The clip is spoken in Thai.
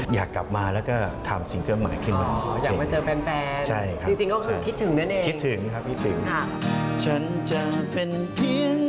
อยากกลับมาแล้วก็ทำสิงเกิดหมายที่มาเพลง